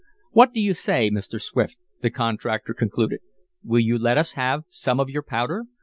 "What do you say, Mr. Swift?" the contractor concluded. "Will you let us have some of your powder?